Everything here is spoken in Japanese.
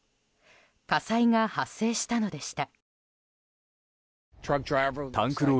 火災が発生したのでした。